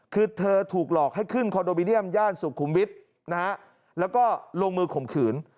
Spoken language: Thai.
คือเธอถูกหลอกให้ขึ้นคอนโดมิเนียมย่านสุขุมวิทย์นะฮะแล้วก็ลงมือข่มขืน